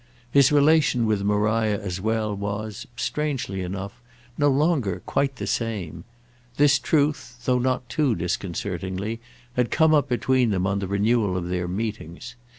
His relation with Maria as well was, strangely enough, no longer quite the same; this truth—though not too disconcertingly—had come up between them on the renewal of their meetings.